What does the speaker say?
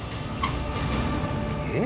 えっ？